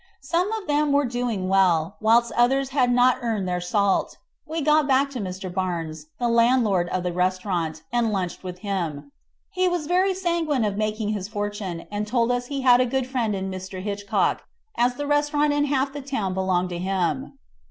Some of them were doing well, whilst others had not earned their salt. We got back to Mr. Barnes, the landlord of the restaurant, and lunched with him. He was very sanguine of making his fortune, and told us he had a good friend in Mr. Hitchcock, as the restaurant and half the town belonged to him.